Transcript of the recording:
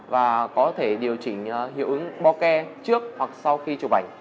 và có thể điều chỉnh hiệu ứng boke trước hoặc sau khi chụp ảnh